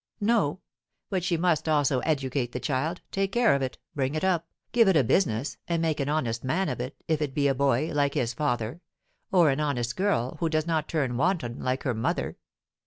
No; but she must also educate the child, take care of it, bring it up, give it a business, and make an honest man of it, if it be a boy, like its father; or an honest girl, who does not turn wanton like her mother.